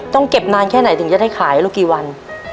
ต้องเก็บนานแค่ไหนถึงจะได้ขายลูกกี่วัน